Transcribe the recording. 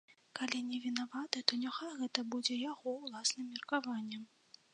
Калі не вінаваты, то няхай гэта будзе яго ўласным меркаваннем.